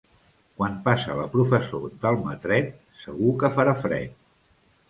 Quan passa la professó d'Almatret, segur que farà fred.